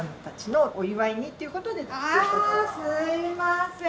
あぁすいません。